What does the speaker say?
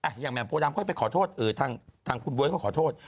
แหม่มโพดำเขาจะไปขอโทษเออทางคุณบ๊วยเขาขอโทษ